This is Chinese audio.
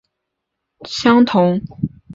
配音人员和动画版相同。